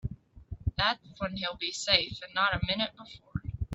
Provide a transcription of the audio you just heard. That's when he'll be safe and not a minute before.